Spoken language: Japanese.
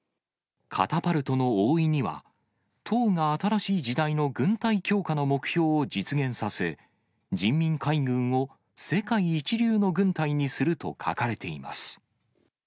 カタパルトの覆いには、党が新しい時代の軍隊強化の目標を実現させ、人民海軍を世界一流の軍隊にすると書かれています。